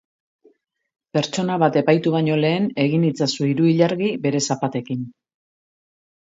Pertsona bat epaitu baino lehen, egin itzazu hiru ilargi bere zapatekin.